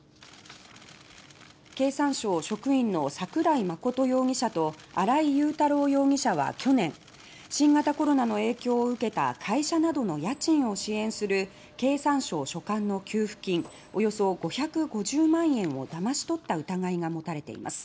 経産省職員の桜井真容疑者と新井雄太郎容疑者は去年新型コロナの影響を受けた会社などの家賃を支援する経産省所管の給付金およそ５５０万円をだましとった疑いがもたれています。